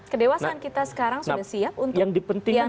kedewasaan kita sekarang sudah siap untuk yang digunakan